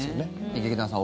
劇団さん